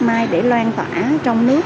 mai để loan tỏa trong nước